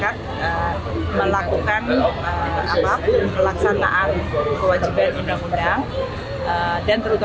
dan terutama melalui filing